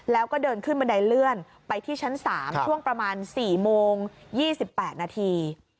แล้วก็เดินขึ้นบันไดเลื่อนไปที่ชั้น๓ช่วงประมาณ๔โมง๒๘นาที